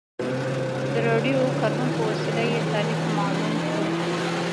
د راډیو کاربن په وسیله یې تاریخ معلوم کړو.